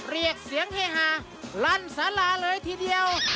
เรียกเสียงเฮฮาลั่นสาราเลยทีเดียว